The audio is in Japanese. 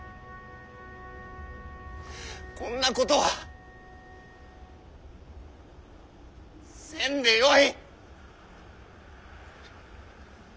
こんなことはせんでよい！